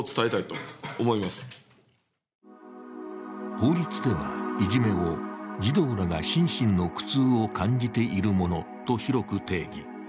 法律ではいじめを児童らが心身の苦痛を感じているものと広く定義。